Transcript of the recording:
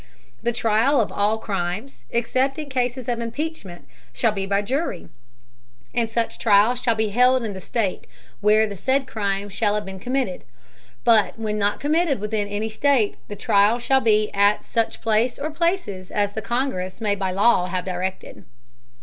The Trial of all Crimes, except in Cases of Impeachment, shall be by Jury; and such Trial shall be held in the State where the said Crimes shall have been committed; but when not committed within any State, the Trial shall be at such Place or Places as the Congress may by Law have directed.